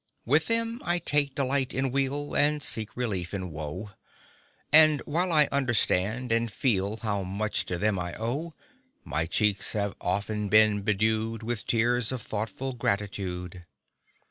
1 1 10 GEORGIAN VERSE With them I take delight in weal, And seek relief in woe; And while I understand and feel How much to them I owe, My cheeks have often been bedew'd With tears of thoughtful gratitude.